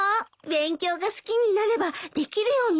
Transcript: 勉強が好きになればできるようになるわ。